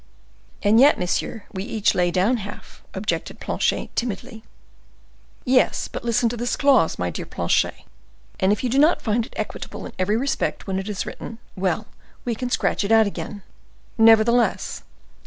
"And yet, monsieur, we each lay down half," objected Planchet, timidly. "Yes; but listen to this clause, my dear Planchet, and if you do not find if equitable in every respect when it is written, well, we can scratch it out again:—'Nevertheless, as M.